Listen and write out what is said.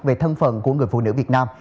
về thân phần của người phụ nữ việt nam